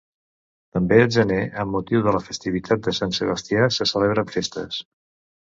També al gener, amb motiu de la festivitat de Sant Sebastià, se celebren festes.